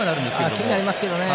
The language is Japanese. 気になりますね。